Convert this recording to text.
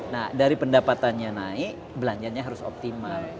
nah dari pendapatannya naik belanjanya harus optimal